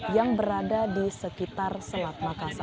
yang berada di sekitar selat makassar